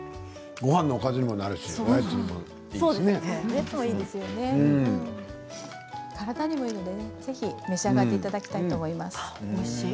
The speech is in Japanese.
ごはんのおかずにもなるし体にもいいのでぜひ召し上がっていただきたいと思います。